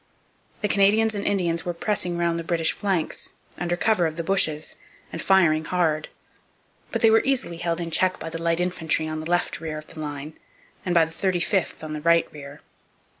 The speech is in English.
The Canadians and Indians were pressing round the British flanks, under cover of the bushes, and firing hard. But they were easily held in check by the light infantry on the left rear of the line and by the 35th on the right rear.